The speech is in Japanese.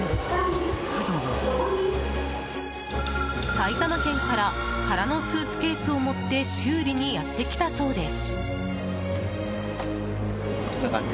埼玉県から空のスーツケースを持って修理にやってきたそうです。